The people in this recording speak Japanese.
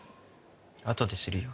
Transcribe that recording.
あとでするよ。